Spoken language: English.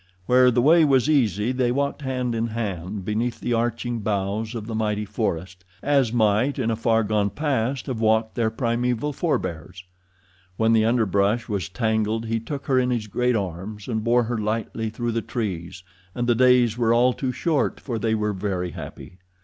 Where the way was easy they walked hand in hand beneath the arching boughs of the mighty forest, as might in a far gone past have walked their primeval forbears. When the underbrush was tangled he took her in his great arms, and bore her lightly through the trees, and the days were all too short, for they were very happy.